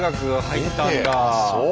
そう。